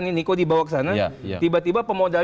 ini niko dibawa ke sana tiba tiba pemodal